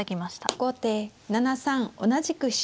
後手７三同じく飛車。